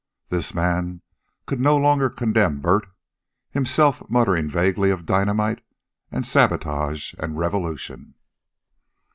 This man no longer condemned Bert, himself muttering vaguely of dynamite, and sabotage, and revolution.